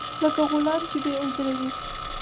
لکه غلام چې بې عذره وي.